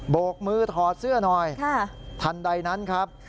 กมือถอดเสื้อหน่อยทันใดนั้นครับ